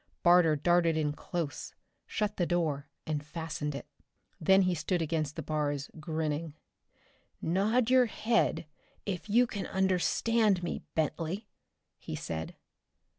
Barter darted in close, shut the door and fastened it. Then he stood against the bars, grinning. "Nod your head if you can understand me, Bentley," he said.